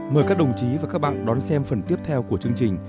mời các đồng chí và các bạn đón xem phần tiếp theo của chương trình